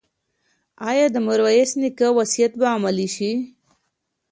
ایا د میرویس نیکه وصیت به عملي شي؟